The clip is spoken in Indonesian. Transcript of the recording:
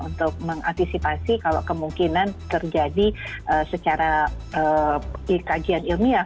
untuk mengantisipasi kalau kemungkinan terjadi secara kajian ilmiah